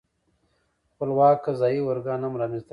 خپلواک قضايي ارګان هم رامنځته کړل.